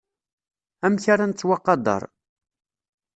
Amek ara nettwaqader.